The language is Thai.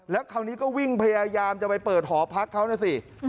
แล้วคราวนี้ก็วิ่งพยายามจะไปเปิดหอพักเขานะสิ